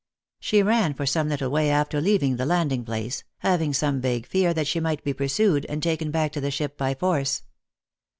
She ran for some little way after leaving the landing place, having some vague fear that she might be pursued, and taken back to the ship by force.